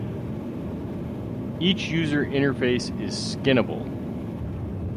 Each user interface is skinnable.